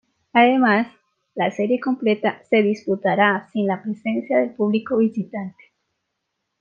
Además, la serie completa se disputará sin la presencia del público visitante.